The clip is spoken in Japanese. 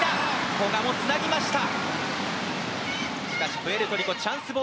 古賀もつなぎました。